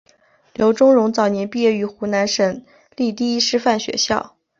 刘仲容早年毕业于湖南省立第一师范学校。